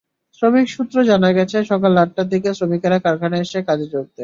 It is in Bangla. শ্রমিক সূত্রে জানা গেছে, সকাল আটটার দিকে শ্রমিকেরা কারখানায় এসে কাজে যোগ দেন।